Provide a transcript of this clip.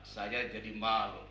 saya jadi malu pak